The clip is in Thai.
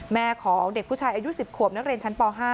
แม่ของเด็กผู้ชายอายุ๑๐ขวบนักเรียนชั้นป๕